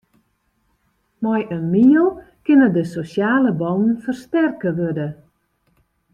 Mei in miel kinne de sosjale bannen fersterke wurde.